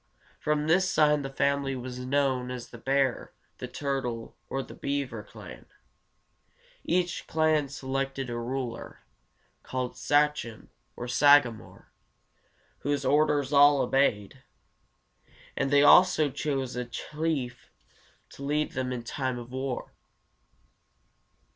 From this sign the family was known as the bear, the turtle, or the beaver clan. Each clan selected a ruler, called sachem, or sagamore, whose orders all obeyed, and they also chose a chief to lead them in time of war.